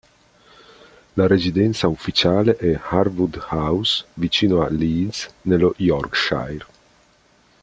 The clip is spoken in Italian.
La residenza ufficiale è Harewood House, vicino a Leeds, nello Yorkshire.